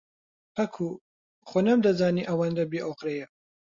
پەکوو، خۆ نەمدەزانی ئەوەندە بێئۆقرەیە.